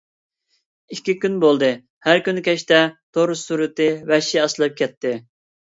ئىككى كۈن بولدى، ھەر كۈنى كەچتە تور سۈرئىتى ۋەھشىي ئاستىلاپ كەتتى.